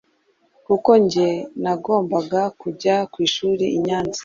kuko njye nagombaga kujya ku ishuri i Nyanza,